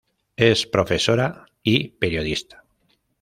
Es profesora y periodista.